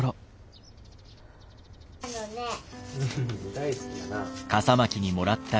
大好きやな。